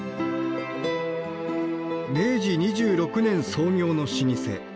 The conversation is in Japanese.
明治２６年創業の老舗。